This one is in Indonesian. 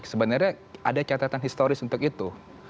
sebenarnya ada catatan historis untuk itu